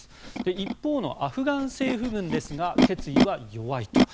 一方のアフガン政府軍ですが決意は弱いと。